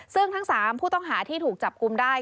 ซึ่งทั้ง๓ผู้ต้องหาที่ถูกจับกลุ่มได้